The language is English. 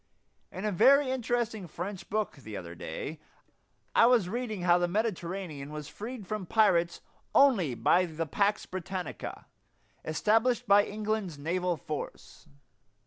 In a very interesting French book the other day I was reading how the Mediterranean was freed from pirates only by the "pax Britannica," established by England's naval force.